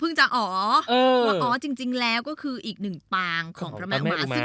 เพิ่งจะอ๋อจริงแล้วก็คืออีกหนึ่งปางของพระแม่อุมา